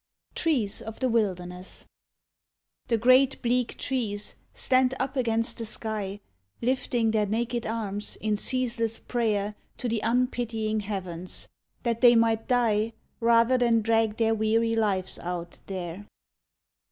TREES OF THE WILDERNESS The great bleak trees stand up against the sky Lifting their naked arms in ceaseless prayer To the unpitying heavens, that they might die, Rather than drag their weary lives out there.